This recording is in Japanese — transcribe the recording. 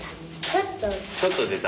ちょっと出た？